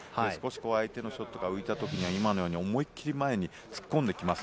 相手のショットが浮いた時、今のように思いっ切り前に突っ込んできます。